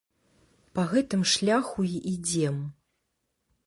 Па гэтым шляху і ідзём.